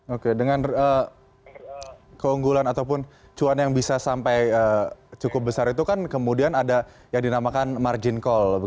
oke dengan keunggulan ataupun cuan yang bisa sampai cukup besar itu kan kemudian ada yang dinamakan margin call